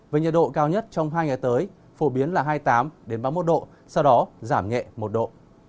với nhiệt độ cao nhất trong hai ngày tới phổ biến là hai mươi tám ba mươi một độ sau đó giảm nhẹ một độ